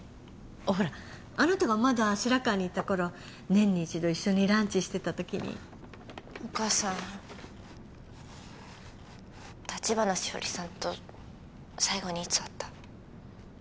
ほらあなたがまだ白川にいた頃年に１度一緒にランチしてた時にお母さん橘しおりさんと最後にいつ会った？